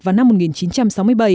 vào năm một nghìn chín trăm sáu mươi bảy